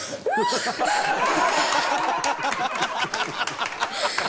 ハハハハ！